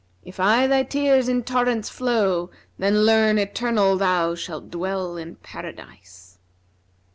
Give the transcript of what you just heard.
If aye thy tears in torrents flow, then learn * Eternal thou shalt dwell in Paradise.'